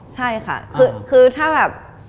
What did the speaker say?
ใช่ค่ะคือถ้าแบบ